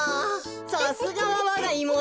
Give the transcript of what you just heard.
さすがはわがいもうと。